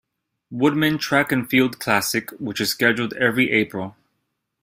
Woodman Track and Field Classic, which is scheduled every April.